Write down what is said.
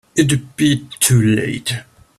It'd be too late.